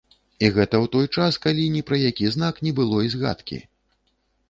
І гэта ў той час, калі ні пра які знак не было і згадкі.